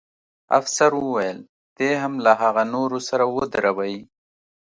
افسر وویل: دی هم له هغه نورو سره ودروئ.